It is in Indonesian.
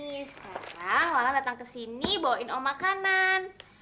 nih sekarang walang datang kesini bawain om makanan